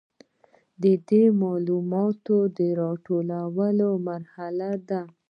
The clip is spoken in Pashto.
دا د معلوماتو د راټولولو مرحله ده.